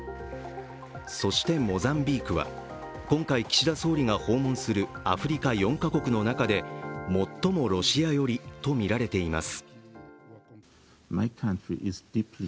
そしてモザンビークは今回、岸田総理が訪問するアフリカ４か国の中で最もロシア寄りとみられています。